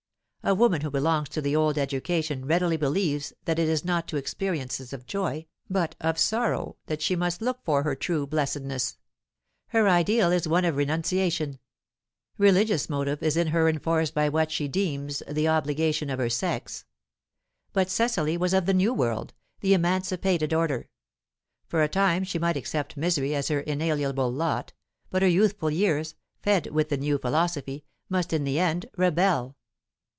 A woman who belongs to the old education readily believes that it is not to experiences of joy, but of sorrow, that she must look for her true blessedness; her ideal is one of renunciation; religious motive is in her enforced by what she deems the obligation of her sex. But Cecily was of the new world, the emancipated order. For a time she might accept misery as her inalienable lot, but her youthful years, fed with the new philosophy, must in the end rebel.